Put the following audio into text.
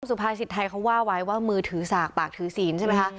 สุภาษิตไทยเขาว่าไว้ว่ามือถือสากปากถือศีลใช่ไหมคะ